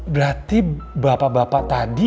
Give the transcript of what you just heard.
berarti bapak bapak tadi